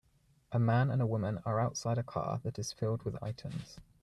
A man and a woman are outside a car that is filled with items.